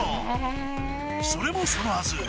それもそのはず